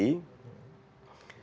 terlintas di hati